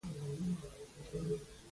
د مشهور ادیب نیل ګیمن لیکچر اهمیت لري.